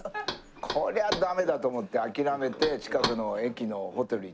こりゃダメだと思って諦めて近くの駅のホテルに泊まって。